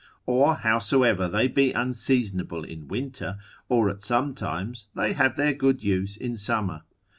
Or howsoever they be unseasonable in winter, or at some times, they have their good use in summer.